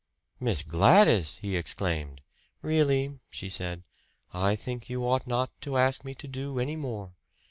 "Miss Gladys!" he exclaimed. "Really," she said, "I think you ought not to ask me to do any more.